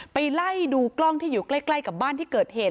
ไปไล่ดูกล้องที่อยู่ใกล้กับบ้านที่เกิดเหตุ